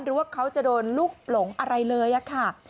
ว่าเขาจะโดนลูกหลงอะไรเลยค่ะ